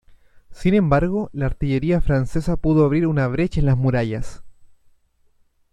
Sin embargo la artillería francesa pudo abrir una brecha en las murallas.